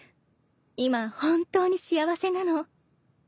今本当に幸せなの。